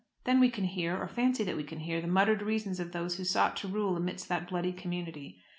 Then we can hear, or fancy that we can hear, the muttered reasons of those who sought to rule amidst that bloody community.